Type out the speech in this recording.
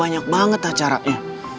banyak banget acaranya